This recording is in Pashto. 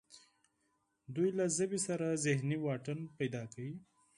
دوی له ژبې سره ذهني واټن پیدا کوي